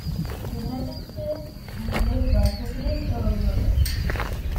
The United States is led by President Earl Warren.